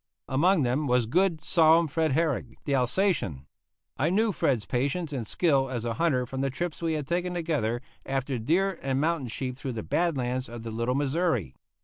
Among them was good, solemn Fred Herrig, the Alsatian. I knew Fred's patience and skill as a hunter from the trips we had taken together after deer and mountain sheep through the Bad Lands of the Little Missouri.